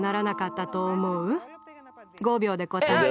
５秒で答えて。